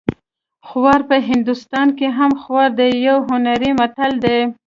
خوار په هندوستان هم خوار دی یو هنري متل دی